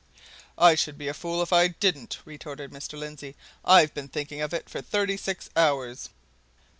"I should be a fool if I didn't!" retorted Mr. Lindsey. "I've been thinking of it for thirty six hours."